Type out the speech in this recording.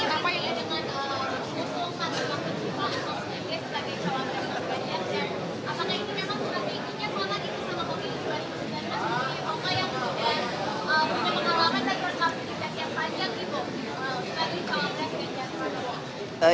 apakah ini memang strategi yang banyak